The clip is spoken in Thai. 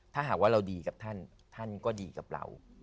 ถ้าหากว่าเราดีกับท่านท่านก็ดีกับเรา